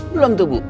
belum tuh bu